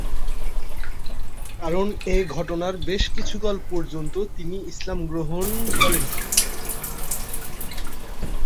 কারণ এ ঘটনার পর বেশ কিছুকাল পর্যন্ত তিনি ইসলাম গ্রহণ করেননি।